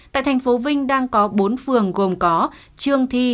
tại thành phố vinh đang có bốn phường gồm có trương thi